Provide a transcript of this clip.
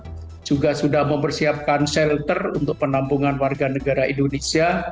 maka dari itu kbri beirut juga sudah mempersiapkan shelter untuk penampungan warga negara indonesia